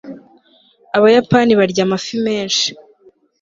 abayapani barya amafi menshi